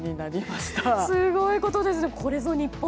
すごいことですね。